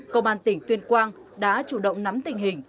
công an tỉnh tuyên quang đã chủ động nắm tình hình